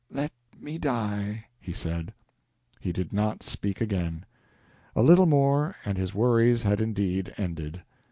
"Let me die," he said. He did not speak again. A little more, and his worries had indeed ended.